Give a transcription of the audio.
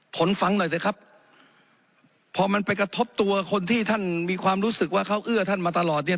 ฟังหน่อยสิครับพอมันไปกระทบตัวคนที่ท่านมีความรู้สึกว่าเขาเอื้อท่านมาตลอดเนี่ย